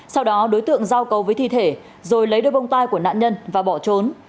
sau đó đối tượng giao cầu với thi thể rồi lấy đôi bông tai của nạn nhân và bỏ trốn